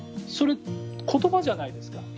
それ、言葉じゃないですか。